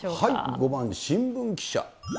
５番新聞記者。